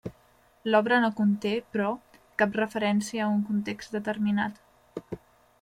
L'obra no conté, però, cap referència a un context determinat.